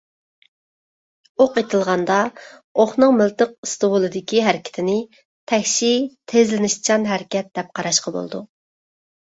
ئوق ئېتىلغاندا، ئوقنىڭ مىلتىق ئىستوۋۇلىدىكى ھەرىكىتىنى تەكشى تېزلىنىشچان ھەرىكەت دەپ قاراشقا بولىدۇ.